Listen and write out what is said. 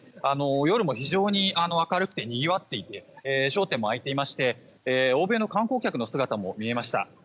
夜も非常に明るくてにぎわっていて商店も開いていまして欧米の観光客の姿も見えました。